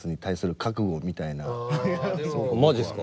マジっすか。